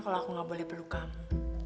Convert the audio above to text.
kalau aku tidak boleh peluk kamu